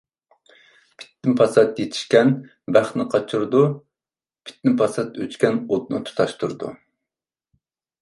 پىتنە-پاسات يېتىشكەن بەختنى قاچۇرىدۇ. پىتنە-پاسات ئۆچكەن ئوتنى تۇتاشتۇرىدۇ.